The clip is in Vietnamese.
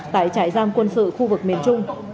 tại trại giam quân sự khu vực miền trung